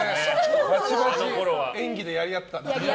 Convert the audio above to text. バチバチ、演技でやり合った。